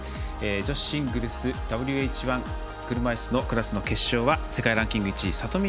女子シングルス、ＷＨ１車いすのクラスの決勝は世界ランキング１位里見